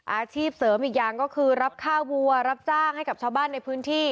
อาชีพเสริมอีกอย่างก็คือรับค่าวัวรับจ้างให้กับชาวบ้านในพื้นที่